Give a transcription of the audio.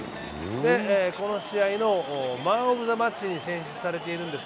この試合のマン・オブ・ザ・マッチに選出されてます。